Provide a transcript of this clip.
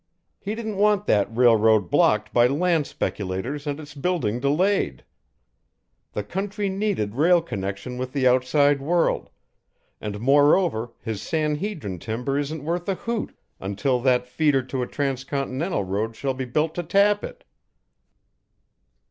He didn't want that railroad blocked by land speculators and its building delayed. The country needed rail connection with the outside world, and moreover his San Hedrin timber isn't worth a hoot until that feeder to a transcontinental road shall be built to tap it."